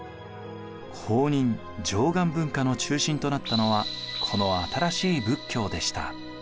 弘仁・貞観文化の中心となったのはこの新しい仏教でした。